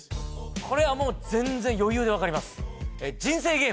これはもう全然余裕で分かります